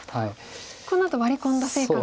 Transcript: こうなるとワリ込んだ成果が。